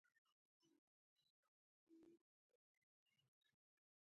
سوله د ژوند لپاره اړینه ده.